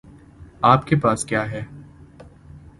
آپ کے پاس کیا ہے؟